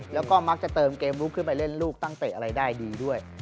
แล้วก็มักจะเติมเกมลุกขึ้นไปเล่นลูกตั้งเตะอะไรได้ดีด้วย